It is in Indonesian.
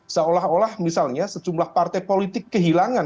seolah olah misalnya sejumlah partai politik kehilangan